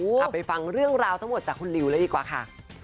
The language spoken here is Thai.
เอาไปฟังเรื่องราวทั้งหมดจากคุณลิวเลยดีกว่าค่ะ